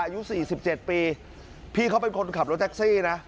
อายุสี่สิบเจ็ดปีพี่เขาเป็นคนขับรถแท็กซี่นะ